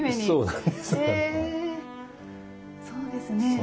そうなんですね。